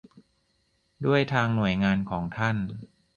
ด้วยทางหน่วยงานของท่าน